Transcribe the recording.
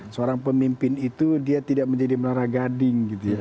seorang pemimpin itu dia tidak menjadi melara gading gitu ya